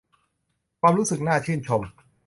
ความรู้สึกน่าชื่นชม